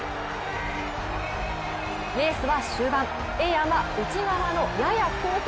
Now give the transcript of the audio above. レースは終盤、エエヤンは内側のやや後方